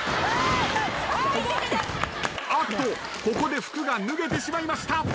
ここで服が脱げてしまいました。